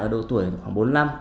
ở độ tuổi khoảng bốn mươi năm